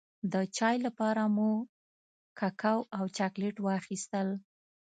د چای لپاره مو ککو او چاکلېټ واخيستل.